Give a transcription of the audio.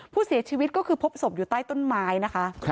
ผู้เสียชีวิตก็คือพบศพอยู่ใต้ต้นไม้นะคะ